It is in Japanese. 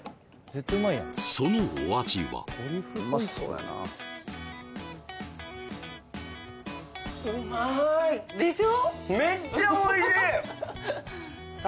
そのお味は？でしょ？